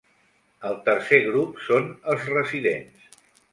El tercer grup són els residents.